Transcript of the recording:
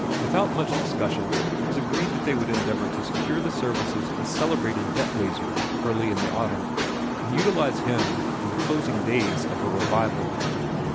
Without much discussion, it was agreed that they should endeavor to secure the services of a celebrated "debt raiser," early in the autumn, and utilize him in the closing days of a revival.